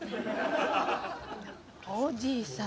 おじいさん